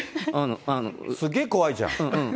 すっげえ怖いじゃん。